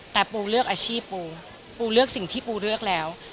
แต่ปูเลือกอาชีพปูปูเลือกสิ่งที่ปูเลือกแล้ว